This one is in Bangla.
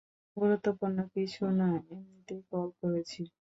গুরুত্বপূর্ণ কিছু না, এমনিতেই কল করেছি।